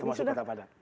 termasuk kota padang